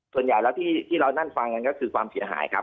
ส่วนใหญ่แล้วที่เรานั่งฟังกันก็คือความเสียหายครับ